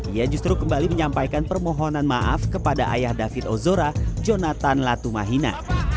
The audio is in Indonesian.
ia justru kembali menyampaikan permohonan maaf kepada ayah david ozora jonathan latumahina